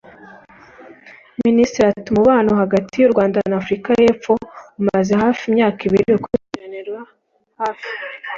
Minisitiri ati “Umubano hagati y’u Rwanda na Afurika y’Epfo umaze hafi imyaka ibiri ukurikiranirwa hafi